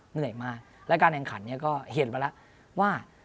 เหนื่อยมากและการแข่งขันเนี่ยก็เห็นมาแล้วว่า